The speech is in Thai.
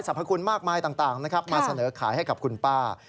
พคุณมากมายต่างนะครับมาเสนอขายให้กับคุณป้า